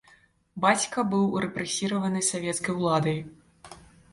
Бацька быў рэпрэсіраваны савецкай уладай.